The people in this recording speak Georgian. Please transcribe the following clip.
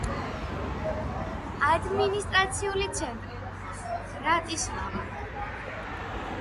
ადმინისტრაციული ცენტრი ბრატისლავა.